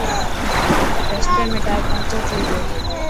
رستي ۾ ٽائر پينچر ٿي گيو.